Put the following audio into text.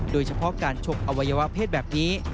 โดยเฉพาะการชกอวัยวะเพศแบบนี้